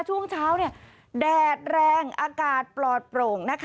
ช่วงเช้าแดดแรงอากาศปลอดโปร่ง